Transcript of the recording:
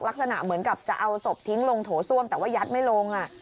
ลักษณะเหมือนกับจะเอาศพทิ้งลงโถส้วมแต่ว่ายัดไม่ลง